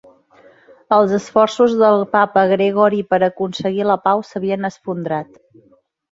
Els esforços del papa Gregori per aconseguir la pau s'havien esfondrat.